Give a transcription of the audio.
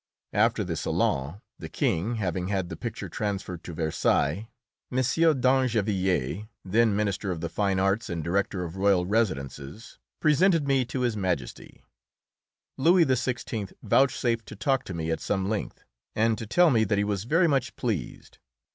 After the Salon, the King, having had the picture transferred to Versailles, M. d'Angevilliers, then minister of the fine arts and director of royal residences, presented me to His Majesty. Louis XVI. vouchsafed to talk to me at some length and to tell me that he was very much pleased.